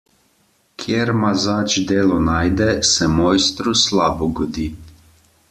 Kjer mazač delo najde, se mojstru slabo godi.